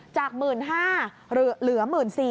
จาก๑๕๐๐เหลือ๑๔๐๐